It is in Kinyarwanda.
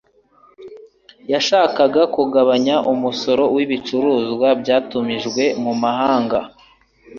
Yashakaga kugabanya umusoro ku bicuruzwa byatumijwe mu mahanga